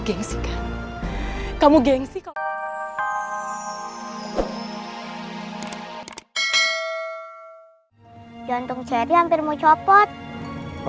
janji cherry soalnya gak mau kehilangan papa